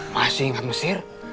masih ingat mesir